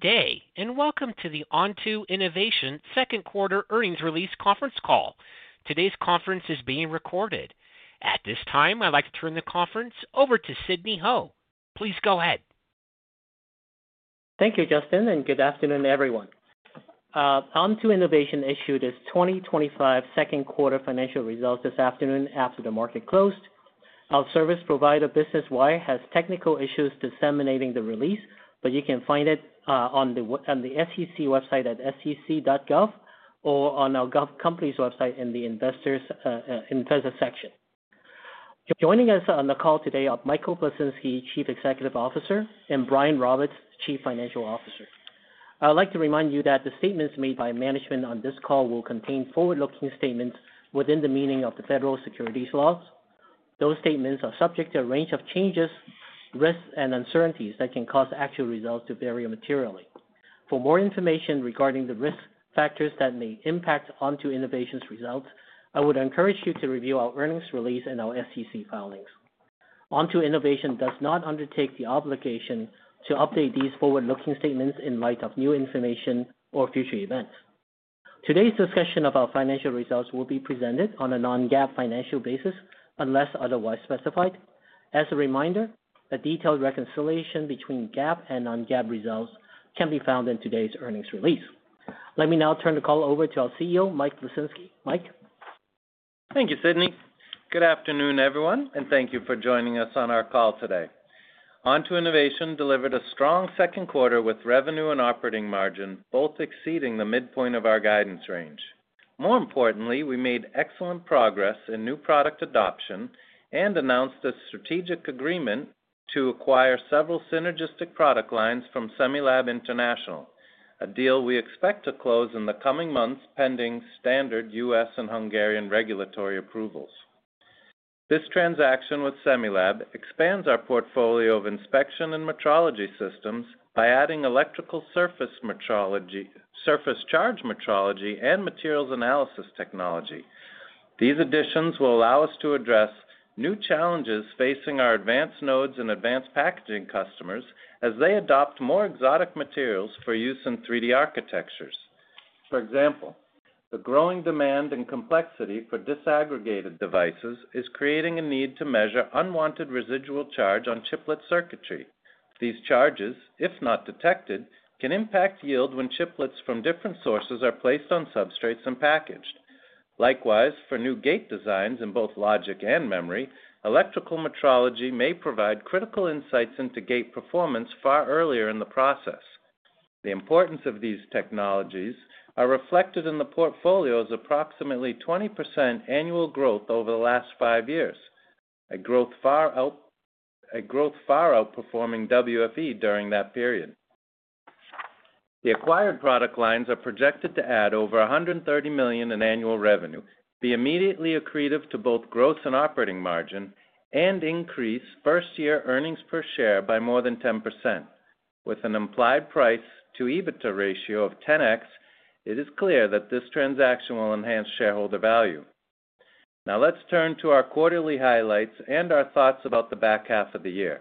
Okay, and welcome to the Onto Innovation Second Quarter Earnings Release Conference Call. Today's conference is being recorded. At this time, I'd like to turn the conference over to Sidney Ho. Please go ahead. Thank you, Justin, and good afternoon, everyone. Onto Innovation issued its 2025 second quarter financial results this afternoon after the market closed. Our service provider, Business Wire, has technical issues disseminating the release, but you can find it on the SEC website at sec.gov or on our company's website in the Investors' section. Joining us on the call today are Michael Plisinski, Chief Executive Officer, and Brian Roberts, Chief Financial Officer. I would like to remind you that the statements made by management on this call will contain forward-looking statements within the meaning of the Federal Securities Laws. Those statements are subject to a range of changes, risks, and uncertainties that can cause the actual results to vary materially. For more information regarding the risk factors that may impact Onto Innovation's results, I would encourage you to review our earnings release and our SEC filings. Onto Innovation. does not undertake the obligation to update these forward-looking statements in light of new information or future events. Today's discussion of our financial results will be presented on a non-GAAP financial basis unless otherwise specified. As a reminder, a detailed reconciliation between GAAP and non-GAAP results can be found in today's earnings release. Let me now turn the call over to our CEO, Mike Plisinski. Mike? Thank you, Sidney. Good afternoon, everyone, and thank you for joining us on our call today. Onto Innovation delivered a strong second quarter with revenue and operating margin both exceeding the midpoint of our guidance range. More importantly, we made excellent progress in new product adoption and announced a strategic agreement to acquire several synergistic product lines from Semilab International, a deal we expect to close in the coming months pending standard U.S. and Hungarian regulatory approvals. This transaction with Semilab expands our portfolio of inspection and metrology systems by adding electrical surface charge metrology and materials analysis technology. These additions will allow us to address new challenges facing our advanced nodes and advanced packaging customers as they adopt more exotic materials for use in 3D architectures. For example, the growing demand and complexity for disaggregated devices is creating a need to measure unwanted residual charge on chiplet circuitry. These charges, if not detected, can impact yield when chiplets from different sources are placed on substrates and packaged. Likewise, for new gate designs in both logic and memory, electrical metrology may provide critical insights into gate performance far earlier in the process. The importance of these technologies is reflected in the portfolio's approximately 20% annual growth over the last five years, a growth far outperforming WFE during that period. The acquired product lines are projected to add over $130 million in annual revenue, be immediately accretive to both growth and operating margin, and increase first-year earnings per share by more than 10%. With an implied price-to-EBITDA ratio of 10x, it is clear that this transaction will enhance shareholder value. Now, let's turn to our quarterly highlights and our thoughts about the back half of the year.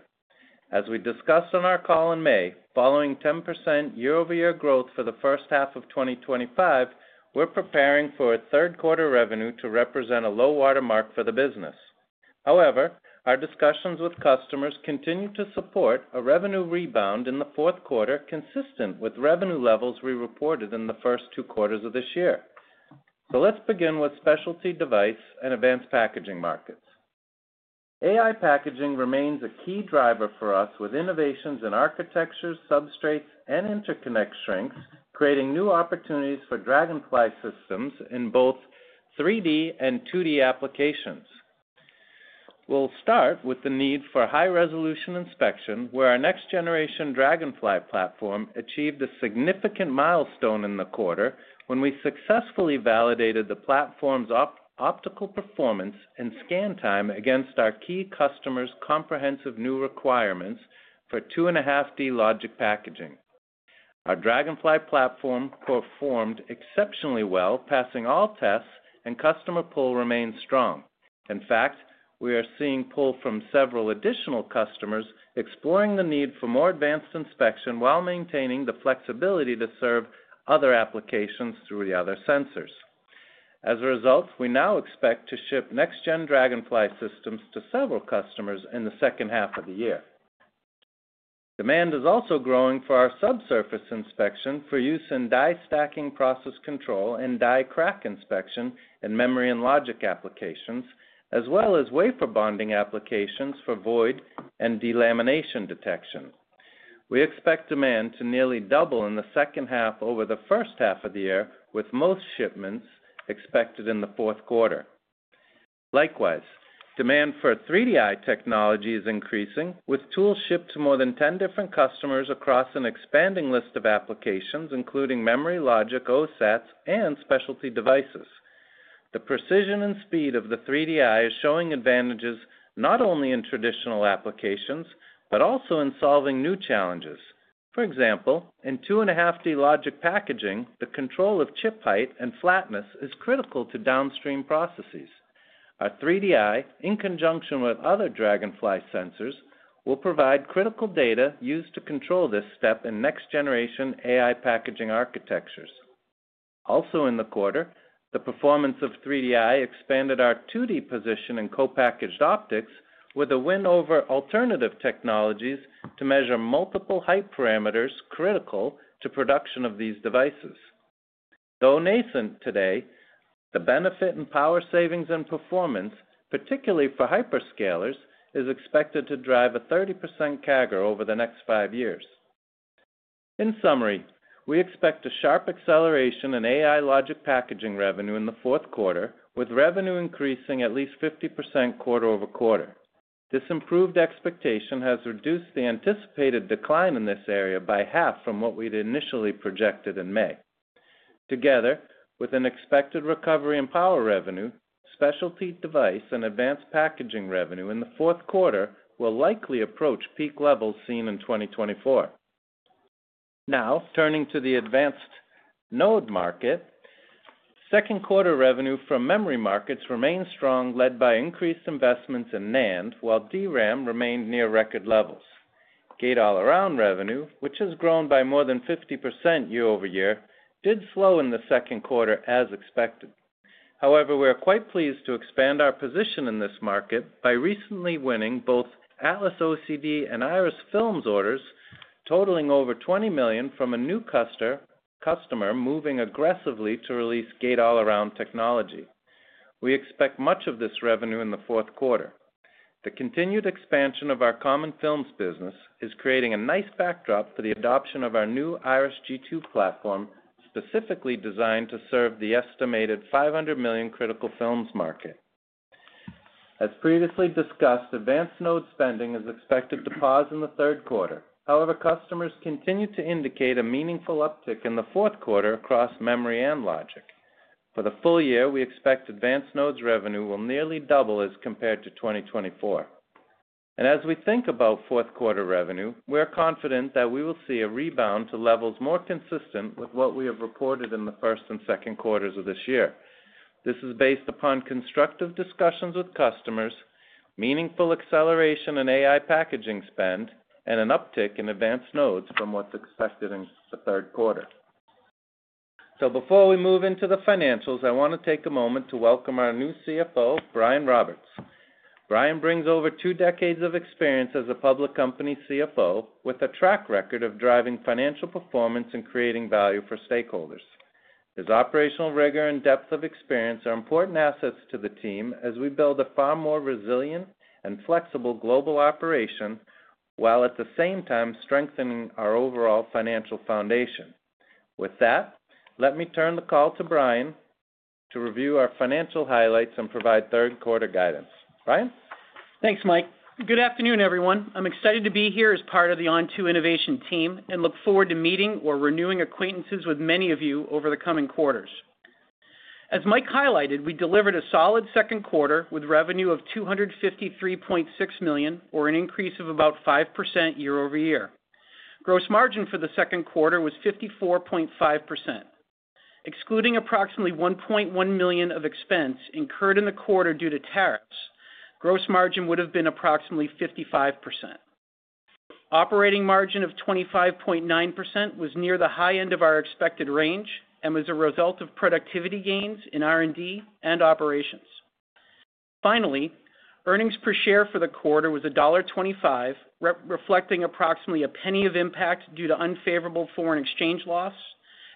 As we discussed on our call in May, following 10% year-over-year growth for the first half of 2025, we're preparing for a third quarter revenue to represent a low watermark for the business. However, our discussions with customers continue to support a revenue rebound in the fourth quarter consistent with revenue levels we reported in the first two quarters of this year. Let's begin with specialty device and advanced packaging markets. AI packaging remains a key driver for us with innovations in architectures, substrates, and interconnect strengths, creating new opportunities for Dragonfly systems in both 3D and 2D applications. We'll start with the need for high-resolution inspection, where our next-generation Dragonfly platform achieved a significant milestone in the quarter when we successfully validated the platform's optical performance and scan time against our key customers' comprehensive new requirements for 2.5D logic packaging. Our Dragonfly platform performed exceptionally well, passing all tests, and the customer pool remains strong. In fact, we are seeing a pull from several additional customers exploring the need for more advanced inspection while maintaining the flexibility to serve other applications through the other sensors. As a result, we now expect to ship next-gen Dragonfly systems to several customers in the second half of the year. Demand is also growing for our subsurface inspection for use in die-stacking process control and die crack inspection in memory and logic applications, as well as wafer bonding applications for void and delamination detection. We expect demand to nearly double in the second half over the first half of the year, with most shipments expected in the fourth quarter. Likewise, demand for 3Di technology is increasing, with tools shipped to more than 10 different customers across an expanding list of applications, including memory, logic, OSATs, and specialty devices. The precision and speed of the 3Di is showing advantages not only in traditional applications but also in solving new challenges. For example, in 2.5D logic packaging, the control of chip height and flatness is critical to downstream processes. Our 3Di, in conjunction with other Dragonfly sensors, will provide critical data used to control this step in next-generation AI packaging architectures. Also in the quarter, the performance of 3Di expanded our 2D position in co-packaged optics with a win over alternative technologies to measure multiple height parameters critical to production of these devices. Though nascent today, the benefit in power savings and performance, particularly for hyperscalers, is expected to drive a 30% CAGR over the next five years. In summary, we expect a sharp acceleration in AI logic packaging revenue in the fourth quarter, with revenue increasing at least 50% quarter over quarter. This improved expectation has reduced the anticipated decline in this area by half from what we'd initially projected in May. Together, with an expected recovery in power revenue, specialty device, and advanced packaging revenue in the fourth quarter will likely approach peak levels seen in 2024. Now, turning to the advanced node market, second quarter revenue from memory markets remains strong, led by increased investments in NAND, while DRAM remained near record levels. Gate all-around revenue, which has grown by more than 50% year-over-year, did slow in the second quarter as expected. However, we are quite pleased to expand our position in this market by recently winning both Atlas OCD and Iris Films orders, totaling over $20 million from a new customer moving aggressively to release gate all-around technology. We expect much of this revenue in the fourth quarter. The continued expansion of our common films business is creating a nice backdrop for the adoption of our new Iris G2 platform, specifically designed to serve the estimated $500 million critical films market. As previously discussed, advanced node spending is expected to pause in the third quarter. However, customers continue to indicate a meaningful uptick in the fourth quarter across memory and logic. For the full year, we expect advanced nodes revenue will nearly double as compared to 2024. As we think about fourth quarter revenue, we are confident that we will see a rebound to levels more consistent with what we have reported in the first and second quarters of this year. This is based upon constructive discussions with customers, meaningful acceleration in AI packaging spend, and an uptick in advanced nodes from what's expected in the third quarter. Before we move into the financials, I want to take a moment to welcome our new CFO, Brian Roberts. Brian brings over two decades of experience as a public company CFO, with a track record of driving financial performance and creating value for stakeholders. His operational rigor and depth of experience are important assets to the team as we build a far more resilient and flexible global operation, while at the same time strengthening our overall financial foundation. With that, let me turn the call to Brian to review our financial highlights and provide third quarter guidance. Brian? Thanks, Mike. Good afternoon, everyone. I'm excited to be here as part of the Onto Innovation team and look forward to meeting or renewing acquaintances with many of you over the coming quarters. As Mike highlighted, we delivered a solid second quarter with revenue of $253.6 million, or an increase of about 5% year-over-year. Gross margin for the second quarter was 54.5%. Excluding approximately $1.1 million of expense incurred in the quarter due to tariffs, gross margin would have been approximately 55%. Operating margin of 25.9% was near the high end of our expected range and was a result of productivity gains in R&D and operations. Finally, earnings per share for the quarter was $1.25, reflecting approximately a penny of impact due to unfavorable foreign exchange loss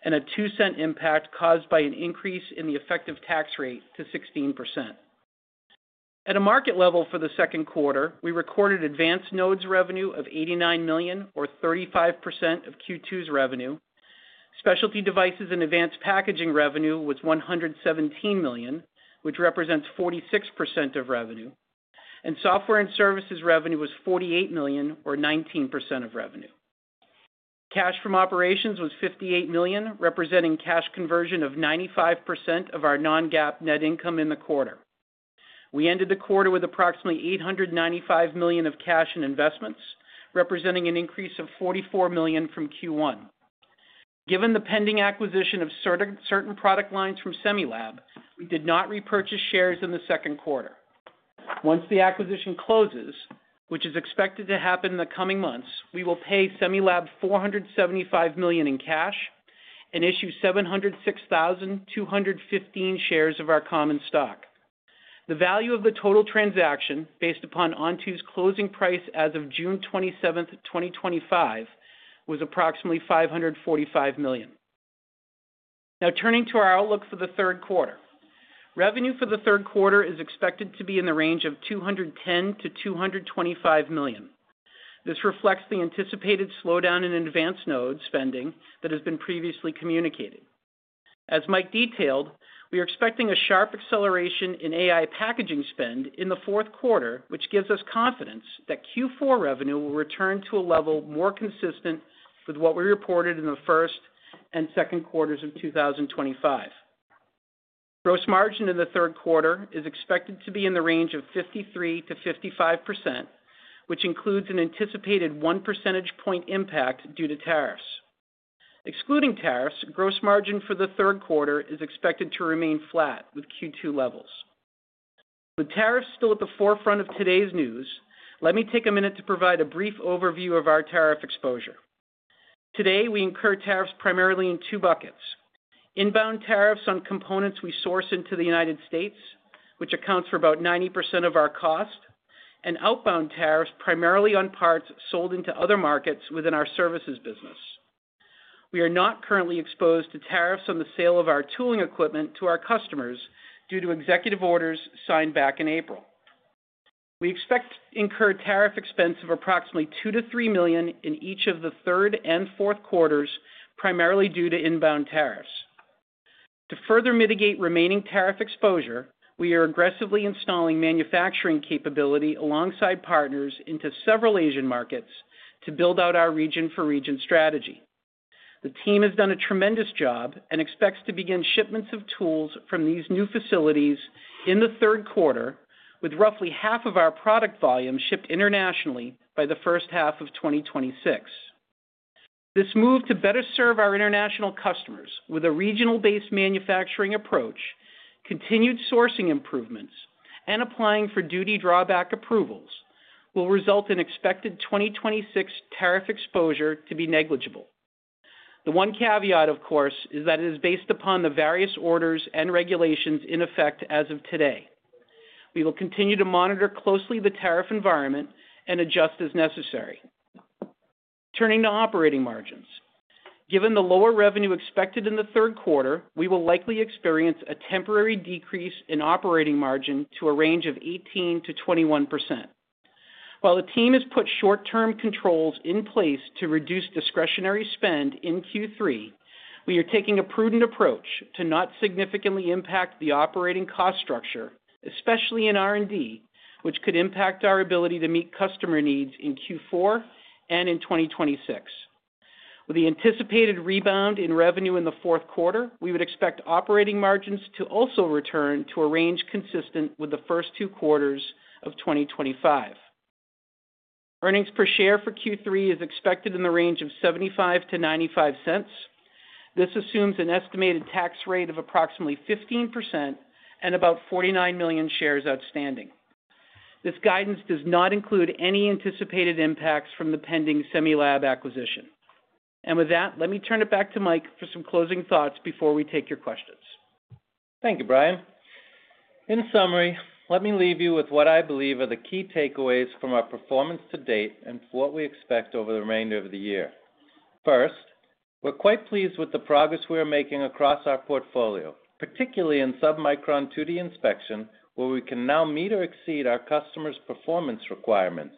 and a $0.02 impact caused by an increase in the effective tax rate to 16%. At a market level for the second quarter, we recorded advanced nodes revenue of $89 million, or 35% of Q2's revenue. Specialty devices and advanced packaging revenue was $117 million, which represents 46% of revenue, and software and services revenue was $48 million, or 19% of revenue. Cash from operations was $58 million, representing cash conversion of 95% of our non-GAAP net income in the quarter. We ended the quarter with approximately $895 million of cash in investments, representing an increase of $44 million from Q1. Given the pending acquisition of certain product lines from Semilab, we did not repurchase shares in the second quarter. Once the acquisition closes, which is expected to happen in the coming months, we will pay Semilab $475 million in cash and issue 706,215 shares of our common stock. The value of the total transaction, based upon Onto's closing price as of June 27th, 2025, was approximately $545 million. Now, turning to our outlook for the third quarter, revenue for the third quarter is expected to be in the range of $210 million-$225 million. This reflects the anticipated slowdown in advanced nodes spending that has been previously communicated. As Mike detailed, we are expecting a sharp acceleration in AI packaging spend in the fourth quarter, which gives us confidence that Q4 revenue will return to a level more consistent with what we reported in the first and second quarters of 2025. Gross margin in the third quarter is expected to be in the range of 53%-55%, which includes an anticipated 1% impact due to tariffs. Excluding tariffs, gross margin for the third quarter is expected to remain flat with Q2 levels. With tariffs still at the forefront of today's news, let me take a minute to provide a brief overview of our tariff exposure. Today, we incur tariffs primarily in two buckets: inbound tariffs on components we source into the United States, which accounts for about 90% of our cost, and outbound tariffs primarily on parts sold into other markets within our services business. We are not currently exposed to tariffs on the sale of our tooling equipment to our customers due to executive orders signed back in April. We expect to incur a tariff expense of approximately $2 million-$3 million in each of the third and fourth quarters, primarily due to inbound tariffs. To further mitigate remaining tariff exposure, we are aggressively installing manufacturing capability alongside partners into several Asian markets to build out our region-for-region strategy. The team has done a tremendous job and expects to begin shipments of tools from these new facilities in the third quarter, with roughly half of our product volume shipped internationally by the first half of 2026. This move to better serve our international customers with a regional-based manufacturing approach, continued sourcing improvements, and applying for duty drawback approvals will result in expected 2026 tariff exposure to be negligible. The one caveat, of course, is that it is based upon the various orders and regulations in effect as of today. We will continue to monitor closely the tariff environment and adjust as necessary. Turning to operating margins, given the lower revenue expected in the third quarter, we will likely experience a temporary decrease in operating margin to a range of 18%-21%. While the team has put short-term controls in place to reduce discretionary spend in Q3, we are taking a prudent approach to not significantly impact the operating cost structure, especially in R&D, which could impact our ability to meet customer needs in Q4 and in 2026. With the anticipated rebound in revenue in the fourth quarter, we would expect operating margins to also return to a range consistent with the first two quarters of 2025. Earnings per share for Q3 is expected in the range of $0.75-$0.95. This assumes an estimated tax rate of approximately 15% and about 49 million shares outstanding. This guidance does not include any anticipated impacts from the pending Semilab International acquisition. Let me turn it back to Mike for some closing thoughts before we take your questions. Thank you, Brian. In summary, let me leave you with what I believe are the key takeaways from our performance to date and what we expect over the remainder of the year. First, we're quite pleased with the progress we are making across our portfolio, particularly in sub-micron 2D inspection, where we can now meet or exceed our customers' performance requirements.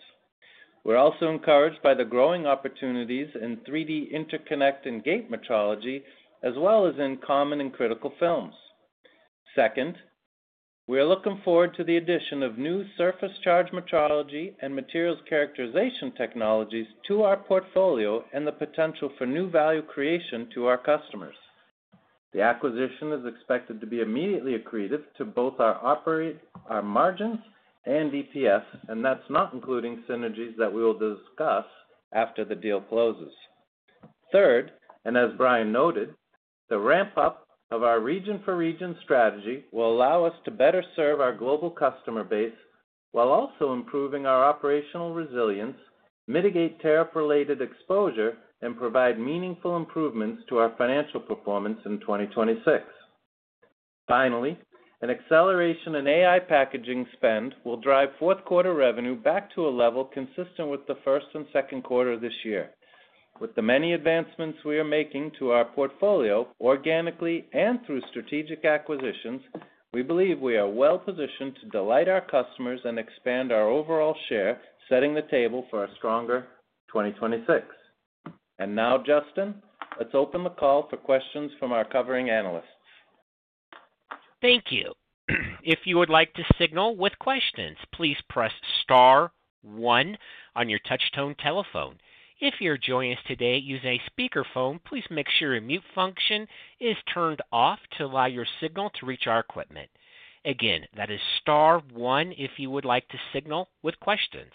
We're also encouraged by the growing opportunities in 3D interconnect and gate metrology, as well as in common and critical films. Second, we are looking forward to the addition of new surface charge metrology and materials characterization technologies to our portfolio and the potential for new value creation to our customers. The acquisition is expected to be immediately accretive to both our margins and EPS, and that's not including synergies that we will discuss after the deal closes. Third, and as Brian noted, the ramp-up of our region-for-region strategy will allow us to better serve our global customer base while also improving our operational resilience, mitigate tariff-related exposure, and provide meaningful improvements to our financial performance in 2026. Finally, an acceleration in AI packaging spend will drive fourth quarter revenue back to a level consistent with the first and second quarter of this year. With the many advancements we are making to our portfolio organically and through strategic acquisitions, we believe we are well positioned to delight our customers and expand our overall share, setting the table for a stronger 2026. Now, Justin, let's open the call for questions from our covering analysts. Thank you. If you would like to signal with questions, please press star one on your touch-tone telephone. If you're joining us today using a speakerphone, please make sure your mute function is turned off to allow your signal to reach our equipment. Again, that is star one if you would like to signal with questions.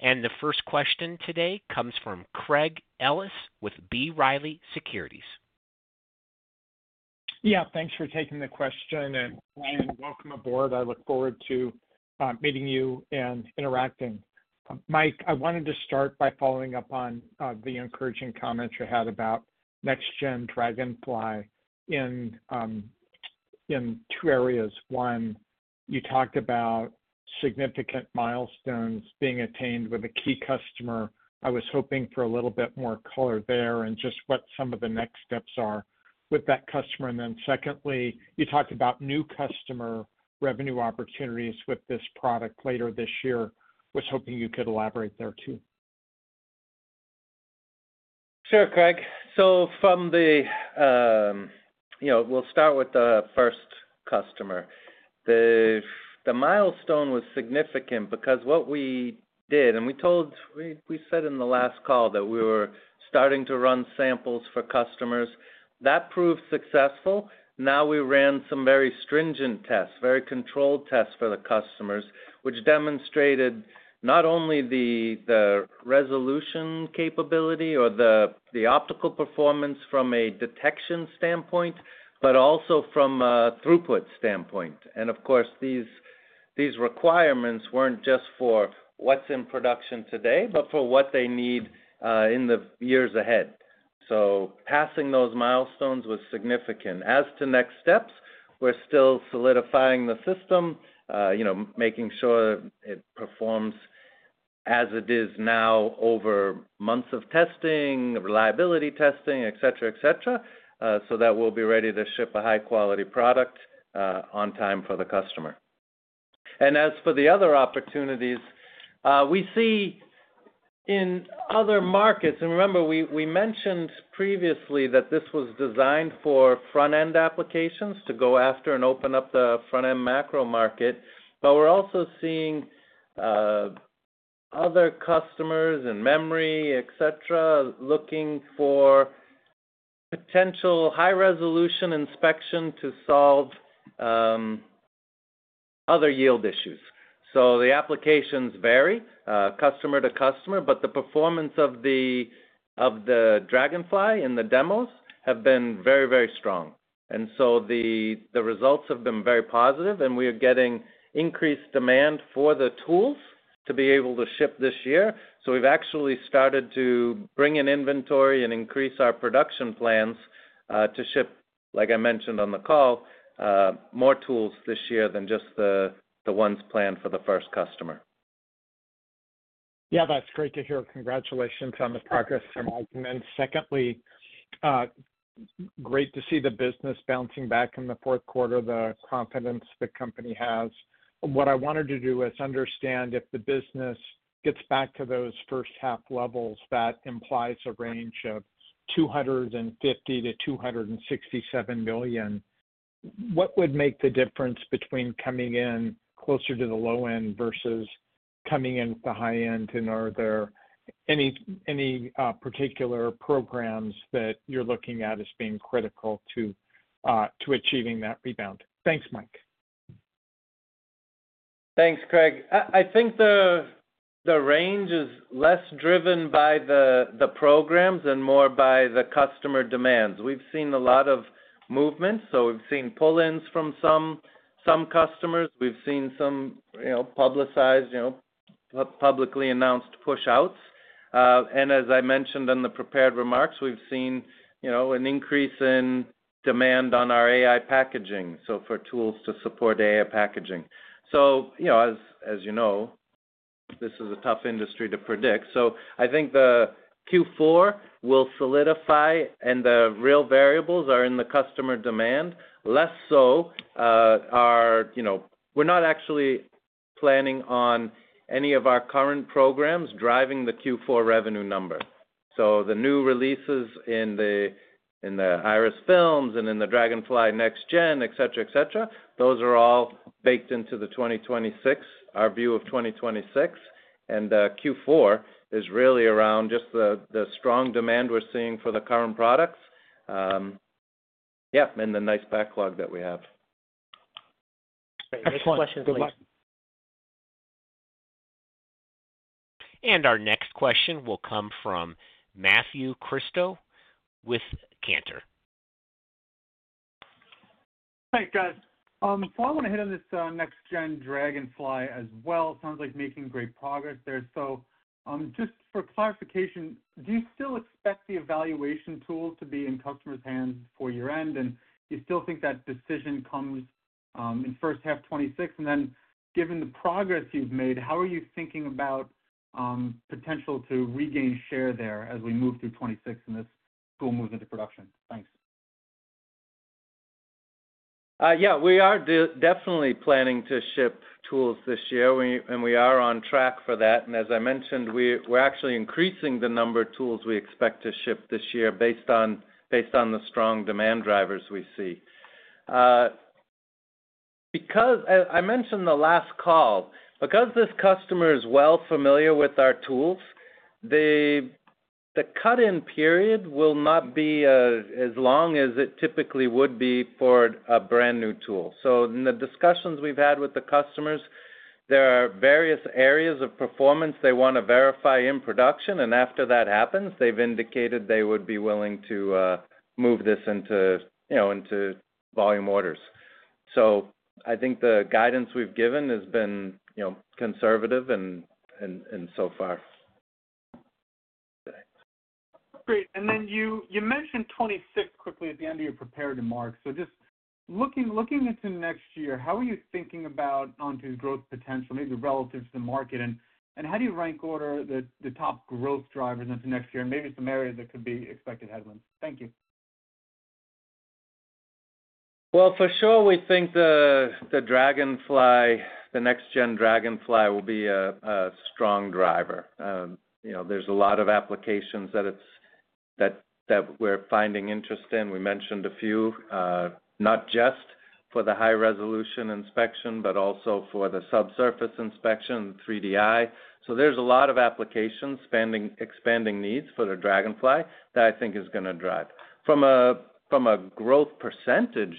The first question today comes from Craig Ellis with B. Riley Securities. Yeah, thanks for taking the question, and welcome aboard. I look forward to meeting you and interacting. Mike, I wanted to start by following up on the encouraging comments you had about next-gen Dragonfly in two areas. One, you talked about significant milestones being attained with a key customer. I was hoping for a little bit more color there and just what some of the next steps are with that customer. Secondly, you talked about new customer revenue opportunities with this product later this year. I was hoping you could elaborate there too. Sure, Craig. From the, you know, we'll start with the first customer. The milestone was significant because what we did, and we said in the last call that we were starting to run samples for customers. That proved successful. We ran some very stringent tests, very controlled tests for the customers, which demonstrated not only the resolution capability or the optical performance from a detection standpoint, but also from a throughput standpoint. These requirements weren't just for what's in production today, but for what they need in the years ahead. Passing those milestones was significant. As to next steps, we're still solidifying the system, you know, making sure it performs as it is now over months of testing, reliability testing, etc., etc., so that we'll be ready to ship a high-quality product on time for the customer. As for the other opportunities, we see in other markets, and remember we mentioned previously that this was designed for front-end applications to go after and open up the front-end macro market, we're also seeing other customers in memory, etc., looking for potential high-resolution inspection to solve other yield issues. The applications vary customer to customer, but the performance of the Dragonfly in the demos has been very, very strong. The results have been very positive, and we are getting increased demand for the tools to be able to ship this year. We've actually started to bring in inventory and increase our production plans to ship, like I mentioned on the call, more tools this year than just the ones planned for the first customer. Yeah, that's great to hear. Congratulations on the progress there, Mike. Secondly, great to see the business bouncing back in the fourth quarter, the confidence the company has. What I wanted to do is understand if the business gets back to those first half levels that implies a range of $250 million-$267 million, what would make the difference between coming in closer to the low end versus coming in at the high end? Are there any particular programs that you're looking at as being critical to achieving that rebound? Thanks, Mike. Thanks, Craig. I think the range is less driven by the programs and more by the customer demands. We've seen a lot of movement. We've seen pull-ins from some customers. We've seen some publicly announced push-outs. As I mentioned in the prepared remarks, we've seen an increase in demand on our AI packaging, for tools to support AI packaging. As you know, this is a tough industry to predict. I think the Q4 will solidify, and the real variables are in the customer demand. Less so, we're not actually planning on any of our current programs driving the Q4 revenue number. The new releases in the Iris Films and in the Dragonfly Next Gen, etc., those are all baked into the 2026, our view of 2026. The Q4 is really around just the strong demand we're seeing for the current products, and the nice backlog that we have. Next question, please. Our next question will come from Matthew Prisco with Cantor. Hi, guys. I want to hit on this next-gen Dragonfly as well. It sounds like making great progress there. Just for clarification, do you still expect the evaluation tools to be in customers' hands before year end? You still think that decision comes in first half 2026, and given the progress you've made, how are you thinking about the potential to regain share there as we move through 2026 and this tool moves into production? Thanks. Yeah, we are definitely planning to ship tools this year, and we are on track for that. As I mentioned, we're actually increasing the number of tools we expect to ship this year based on the strong demand drivers we see. As I mentioned in the last call, because this customer is well familiar with our tools, the cut-in period will not be as long as it typically would be for a brand new tool. In the discussions we've had with the customers, there are various areas of performance they want to verify in production, and after that happens, they've indicated they would be willing to move this into volume orders. I think the guidance we've given has been conservative and so far. Great. You mentioned 2026 quickly at the end of your prepared remarks. Just looking into next year, how are you thinking about Onto's growth potential, maybe relative to the market, and how do you rank order the top growth drivers into next year and maybe some areas that could be expected headwind? Thank you. For sure, we think the Dragonfly, the next-gen Dragonfly, will be a strong driver. There's a lot of applications that we're finding interest in. We mentioned a few, not just for the high-resolution inspection, but also for the subsurface inspection, 3Di. There's a lot of applications expanding needs for the Dragonfly that I think is going to drive. From a growth percentage,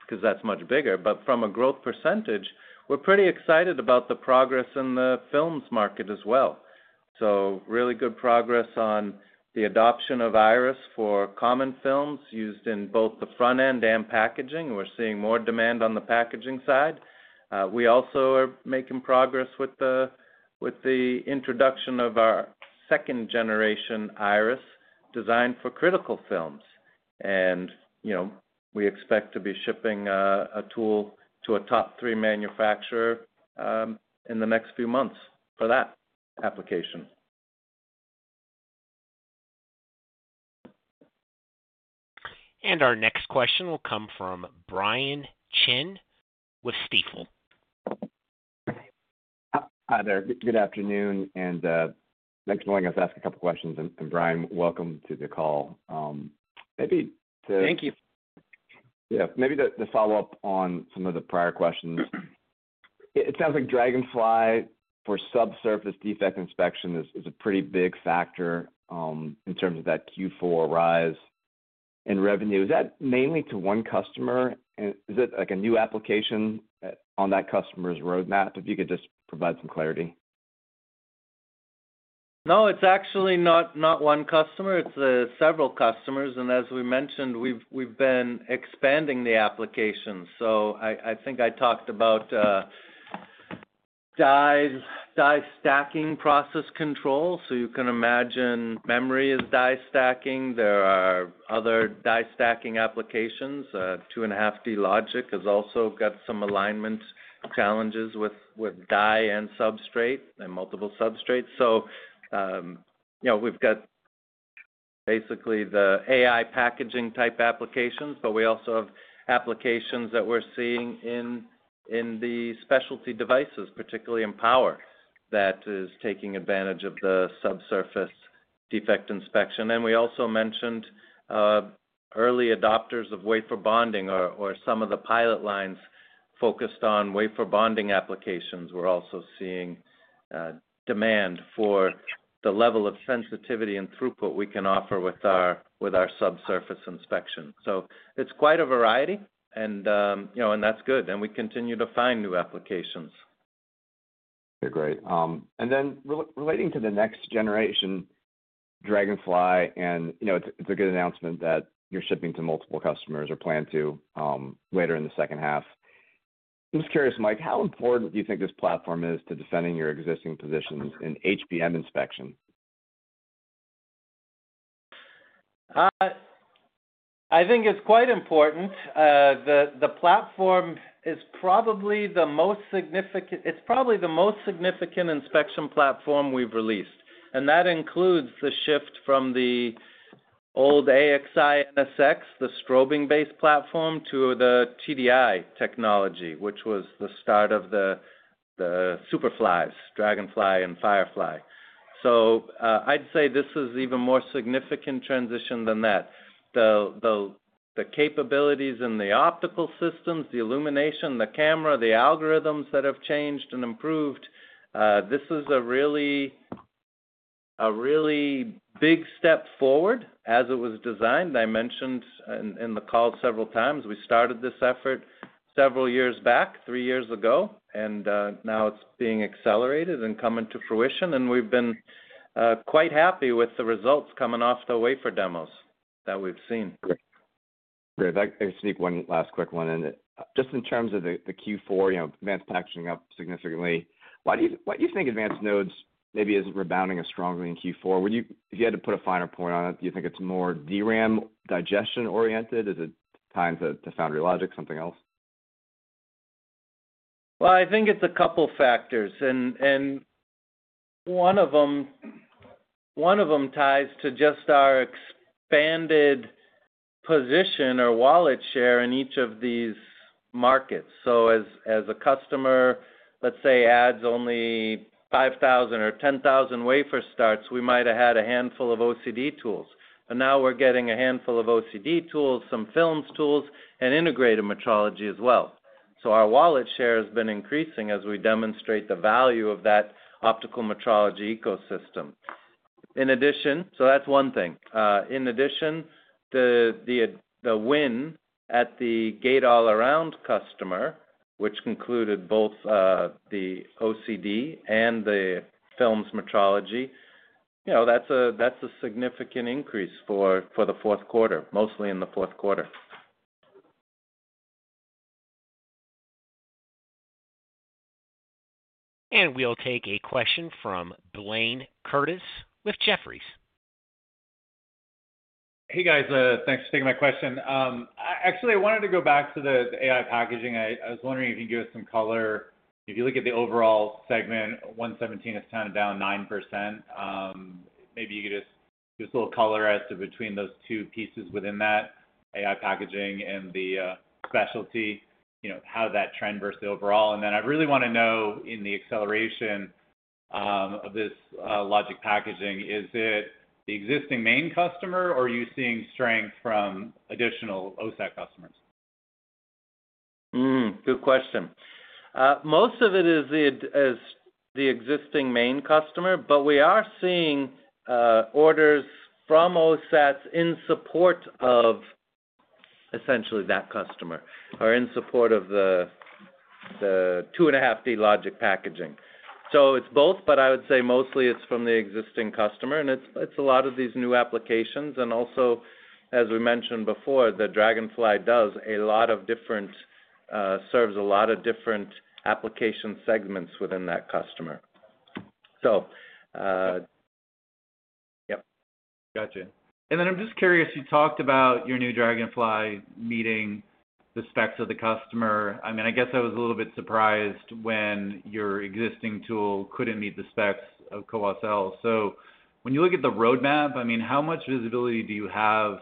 because that's much bigger, from a growth percentage, we're pretty excited about the progress in the films market as well. Really good progress on the adoption of Iris for common films used in both the front end and packaging. We're seeing more demand on the packaging side. We also are making progress with the introduction of our second-generation Iris designed for critical films. We expect to be shipping a tool to a top three manufacturer in the next few months for that application. Our next question will come from Brian Chin with Stifel. Hi there. Good afternoon. I'd like to ask a couple of questions. Brian, welcome to the call. Maybe to. Thank you. Yeah, maybe to follow up on some of the prior questions. It sounds like Dragonfly for subsurface defect inspection is a pretty big factor in terms of that Q4 rise in revenue. Is that mainly to one customer? Is it like a new application on that customer's roadmap? If you could just provide some clarity. No, it's actually not one customer. It's several customers. As we mentioned, we've been expanding the application. I think I talked about die stacking process control. You can imagine memory as die stacking. There are other die stacking applications. 2.5D logic has also got some alignment challenges with die and substrate and multiple substrates. We've got basically the AI packaging type applications, but we also have applications that we're seeing in the specialty devices, particularly in power, that are taking advantage of the subsurface defect inspection. We also mentioned early adopters of wafer bonding or some of the pilot lines focused on wafer bonding applications. We're also seeing demand for the level of sensitivity and throughput we can offer with our subsurface inspection. It's quite a variety, and that's good. We continue to find new applications. Great. Relating to the next-generation Dragonfly, it's a good announcement that you're shipping to multiple customers or plan to later in the second half. I'm just curious, Mike, how important do you think this platform is to defending your existing positions in HBM inspection? I think it's quite important. The platform is probably the most significant, it's probably the most significant inspection platform we've released. That includes the shift from the old AXI NSX, the strobing-based platform, to the TDI technology, which was the start of the Superflies, Dragonfly, and Firefly. I'd say this is an even more significant transition than that. The capabilities in the optical systems, the illumination, the camera, the algorithms that have changed and improved, this is a really big step forward as it was designed. I mentioned in the call several times, we started this effort several years back, three years ago, and now it's being accelerated and coming to fruition. We've been quite happy with the results coming off the wafer demos that we've seen. Great. I just need one last quick one. In terms of the Q4, you know, advanced packaging up significantly. Why do you think advanced nodes maybe isn't rebounding as strongly in Q4? Would you, if you had to put a finer point on it, do you think it's more DRAM digestion-oriented? Is it tied to foundry logic, something else? I think it's a couple of factors. One of them ties to just our expanded position or wallet share in each of these markets. As a customer, let's say, adds only 5,000 or 10,000 wafer starts, we might have had a handful of OCD tools. Now we're getting a handful of OCD tools, some films tools, and integrated metrology as well. Our wallet share has been increasing as we demonstrate the value of that optical metrology ecosystem. In addition, the win at the gate all-around customer, which included both the OCD and the films metrology, that's a significant increase for the fourth quarter, mostly in the fourth quarter. We will take a question from Blayne Curtis with Jefferies. Hey guys, thanks for taking my question. Actually, I wanted to go back to the AI packaging. I was wondering if you could give us some color. If you look at the overall segment, $117 million has toned down 9%. Maybe you could just give us a little color as to between those two pieces within that AI packaging and the specialty, you know, how that trend versus the overall. I really want to know in the acceleration of this logic packaging, is it the existing main customer or are you seeing strength from additional OSAT customers? Good question. Most of it is the existing main customer, but we are seeing orders from OSATs in support of essentially that customer or in support of the 2.5D logic packaging. It is both, but I would say mostly it is from the existing customer, and it is a lot of these new applications. Also, as we mentioned before, the Dragonfly does a lot of different, serves a lot of different application segments within that customer. Yep. Gotcha. I'm just curious, you talked about your new Dragonfly meeting the specs of the customer. I guess I was a little bit surprised when your existing tool couldn't meet the specs of co-packaged optics. When you look at the roadmap, how much visibility do you have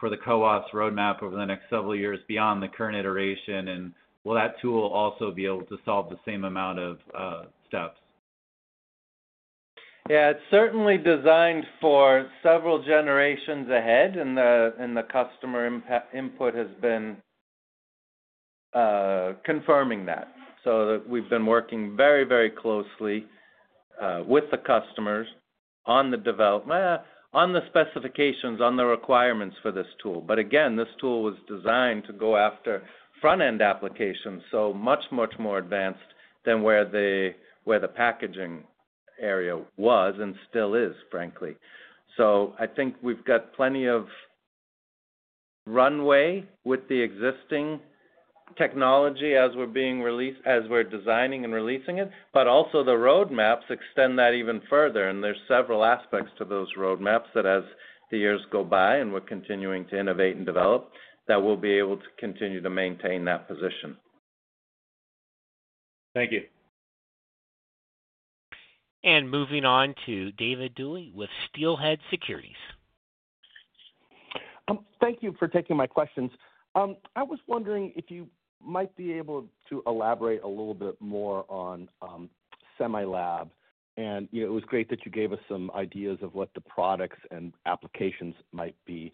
for the co-packaged optics roadmap over the next several years beyond the current iteration? Will that tool also be able to solve the same amount of steps? Yeah, it's certainly designed for several generations ahead, and the customer input has been confirming that. We've been working very, very closely with the customers on the development, on the specifications, on the requirements for this tool. This tool was designed to go after front-end applications, much, much more advanced than where the packaging area was and still is, frankly. I think we've got plenty of runway with the existing technology as we're designing and releasing it, but also the roadmaps extend that even further. There are several aspects to those roadmaps that, as the years go by and we're continuing to innovate and develop, we'll be able to continue to maintain that position. Thank you. Moving on to David Duley with Steelhead Securities. Thank you for taking my questions. I was wondering if you might be able to elaborate a little bit more on Semilab. It was great that you gave us some ideas of what the products and applications might be.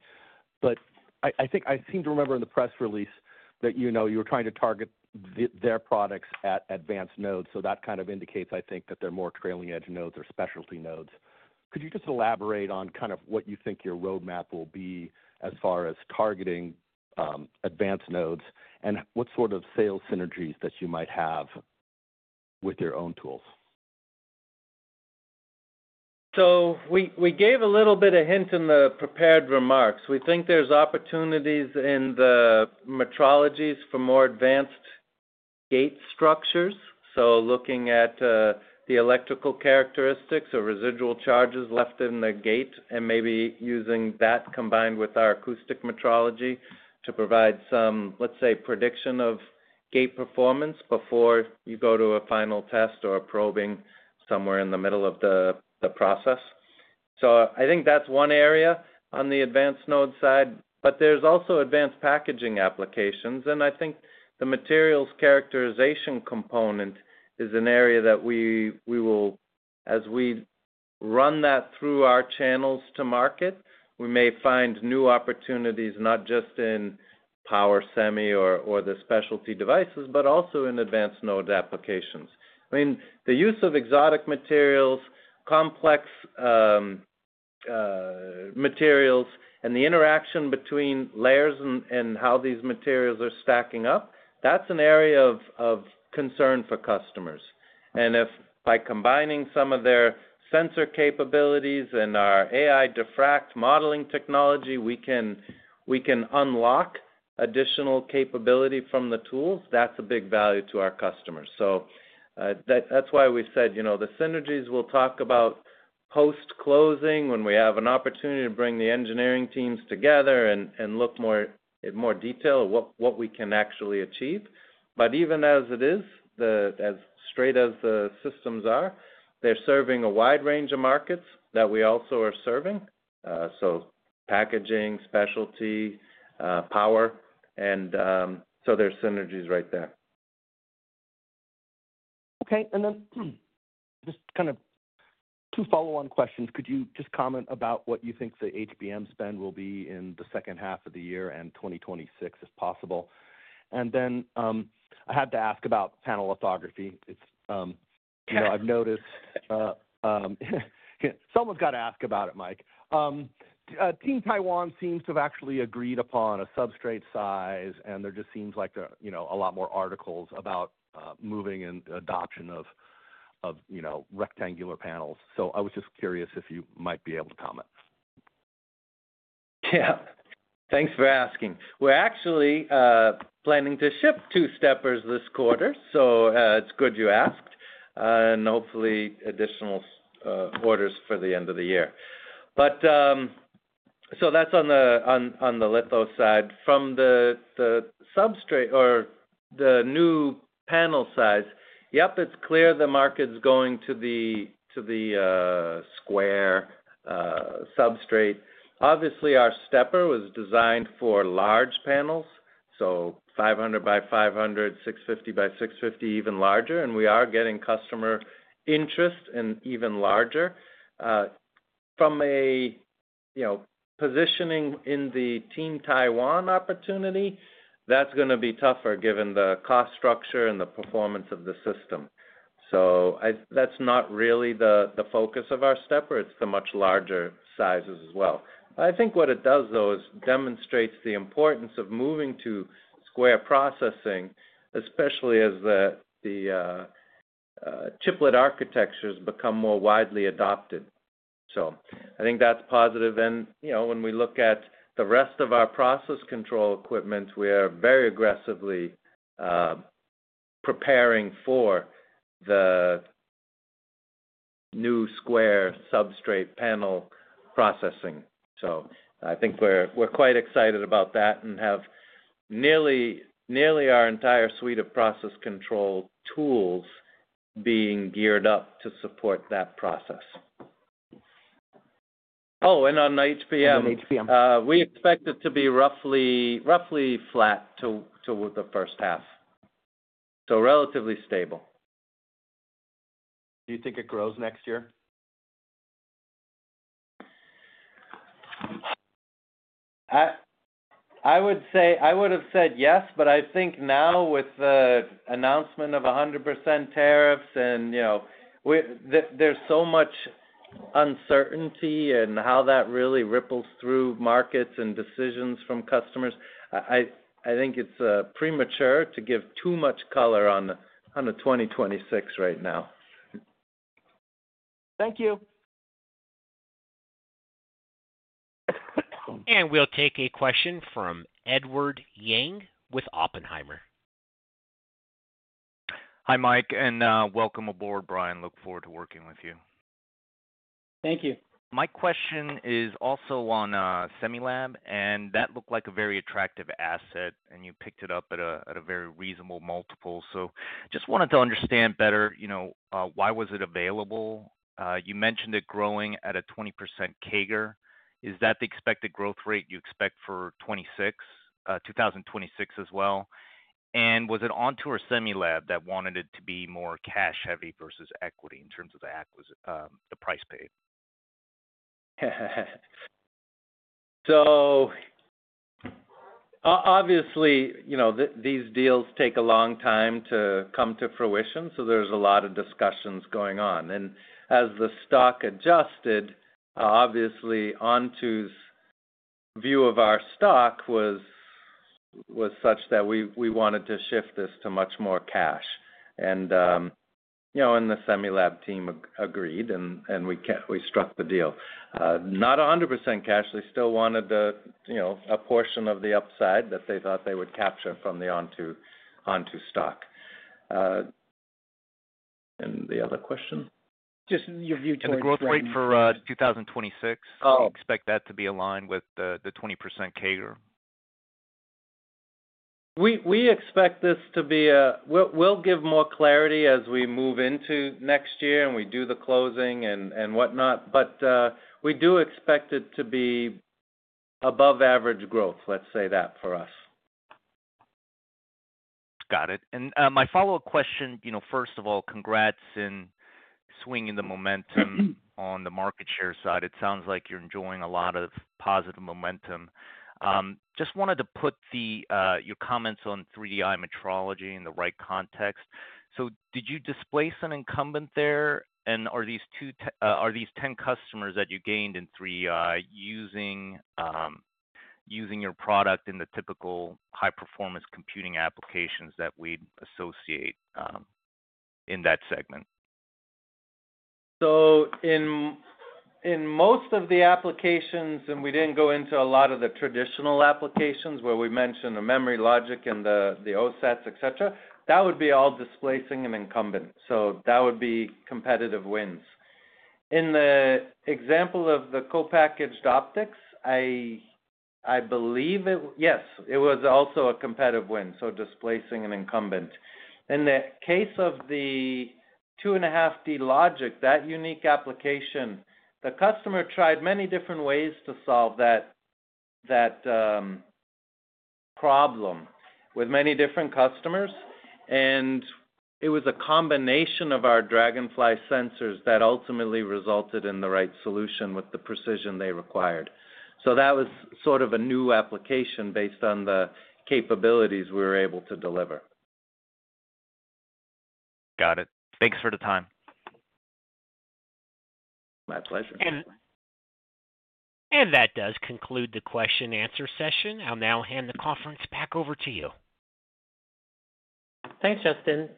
I think I seem to remember in the press release that you were trying to target their products at advanced nodes. That kind of indicates, I think, that they're more trailing edge nodes or specialty nodes. Could you just elaborate on what you think your roadmap will be as far as targeting advanced nodes and what sort of sales synergies you might have with your own tools? We gave a little bit of hint in the prepared remarks. We think there's opportunities in the metrologies for more advanced gate structures. Looking at the electrical characteristics or residual charges left in the gate and maybe using that combined with our acoustic metrology to provide some, let's say, prediction of gate performance before you go to a final test or a probing somewhere in the middle of the process. I think that's one area on the advanced node side. There's also advanced packaging applications. I think the materials characterization component is an area that we will, as we run that through our channels to market, we may find new opportunities not just in power semi or the specialty devices, but also in advanced node applications. The use of exotic materials, complex materials, and the interaction between layers and how these materials are stacking up, that's an area of concern for customers. If by combining some of their sensor capabilities and our AI diffract modeling technology, we can unlock additional capability from the tools, that's a big value to our customers. That's why we said the synergies we'll talk about post-closing when we have an opportunity to bring the engineering teams together and look more in more detail at what we can actually achieve. Even as it is, as straight as the systems are, they're serving a wide range of markets that we also are serving. Packaging, specialty, power, and so there's synergies right there. Okay, and then just kind of two follow-on questions. Could you just comment about what you think the HBM spend will be in the second half of the year and 2026 if possible? I have to ask about panel lithography. I've noticed someone's got to ask about it, Mike. Team Taiwan seems to have actually agreed upon a substrate size, and there just seems like a lot more articles about moving and adoption of rectangular panels. I was just curious if you might be able to comment. Yeah, thanks for asking. We're actually planning to ship two steppers this quarter, so it's good you asked, and hopefully additional orders for the end of the year. That's on the litho side. From the substrate or the new panel size, yep, it's clear the market's going to the square substrate. Obviously, our stepper was designed for large panels, so 500 by 500, 650 by 650, even larger, and we are getting customer interest in even larger. From a positioning in the Team Taiwan opportunity, that's going to be tougher given the cost structure and the performance of the system. That's not really the focus of our stepper. It's the much larger sizes as well. I think what it does, though, is demonstrate the importance of moving to square processing, especially as the chiplet architectures become more widely adopted. I think that's positive. When we look at the rest of our process control equipment, we are very aggressively preparing for the new square substrate panel processing. I think we're quite excited about that and have nearly our entire suite of process control tools being geared up to support that process. Oh, and on HBM, we expect it to be roughly flat to the first half. So relatively stable. Do you think iggt grows next year? I would have said yes, but I think now with the announcement of 100% tariffs, and, you know, there's so much uncertainty in how that really ripples through markets and decisions from customers. I think it's premature to give too much color on the 2026 right now. Thank you. We will take a question from Edward Yang with Oppenheimer. Hi, Mike, and welcome aboard, Brian. Look forward to working with you. Thank you. My question is also on Semilab, and that looked like a very attractive asset, and you picked it up at a very reasonable multiple. I just wanted to understand better, you know, why was it available? You mentioned it growing at a 20% CAGR. Is that the expected growth rate you expect for 2026 as well? Was it Onto or Semilab that wanted it to be more cash-heavy versus equity in terms of the price paid? These deals take a long time to come to fruition, so there's a lot of discussions going on. As the stock adjusted, Onto's view of our stock was such that we wanted to shift this to much more cash. The Semilab team agreed, and we struck the deal. Not 100% cash; they still wanted a portion of the upside that they thought they would capture from the Onto Innovation Inc. stock. The other question? Just your view to it. The growth rate for 2026, do you expect that to be aligned with the 20% CAGR? We expect this to be, we'll give more clarity as we move into next year and we do the closing and whatnot, but we do expect it to be above average growth, let's say that for us. Got it. My follow-up question, first of all, congrats in swinging the momentum on the market share side. It sounds like you're enjoying a lot of positive momentum. I just wanted to put your comments on 3Di metrology in the right context. Did you displace an incumbent there? Are these 10 customers that you gained in 3Di using your product in the typical high-performance computing applications that we associate in that segment? In most of the applications, and we didn't go into a lot of the traditional applications where we mentioned the memory, logic, and the OSATs, etc., that would be all displacing an incumbent. That would be competitive wins. In the example of the co-packaged optics, I believe it, yes, it was also a competitive win, so displacing an incumbent. In the case of the 2.5D logic, that unique application, the customer tried many different ways to solve that problem with many different customers. It was a combination of our Dragonfly sensors that ultimately resulted in the right solution with the precision they required. That was sort of a new application based on the capabilities we were able to deliver. Got it. Thanks for the time. My pleasure. That does conclude the question-answer session. I'll now hand the conference back over to you. Thanks, Justin.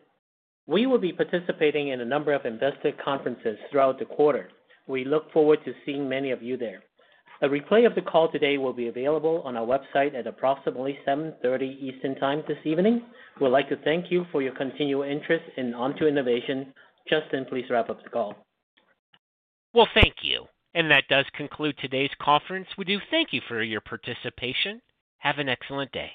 We will be participating in a number of investor conferences throughout the quarter. We look forward to seeing many of you there. A replay of the call today will be available on our website at approximately 7:30 P.M. Eastern Time this evening. We'd like to thank you for your continual interest in Onto Innovation. Justin, please wrap up the call. Thank you. That does conclude today's conference. We do thank you for your participation. Have an excellent day.